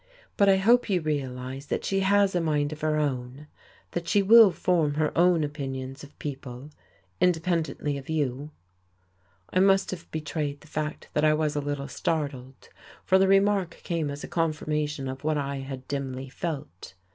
"But I hope you realize that she has a mind of her own, that she will form her own opinions of people, independently of you." I must have betrayed the fact that I was a little startled, for the remark came as a confirmation of what I had dimly felt.